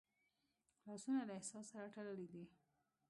لاسونه له احساس سره تړلي دي